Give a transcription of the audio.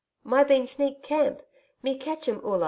My been sneak camp. Me catch 'em Oola.